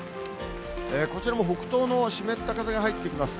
こちらも北東の湿った風が入ってきます。